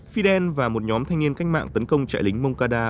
fidel và một nhóm thanh niên cách mạng tấn công trại lính moncada